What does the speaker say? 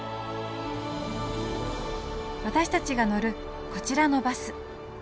私たちが乗るこちらのバス。